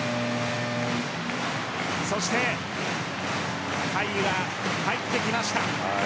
そして、甲斐が入ってきました。